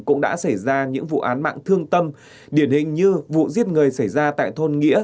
cũng đã xảy ra những vụ án mạng thương tâm điển hình như vụ giết người xảy ra tại thôn nghĩa